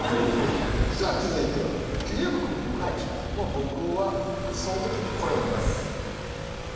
もう僕はその時これを思います。